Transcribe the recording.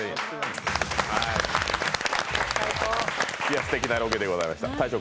すてきなロケでございました。